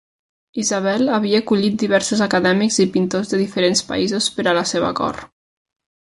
Isabel havia acollit diversos acadèmics i pintors de diferents països per a la seva cort.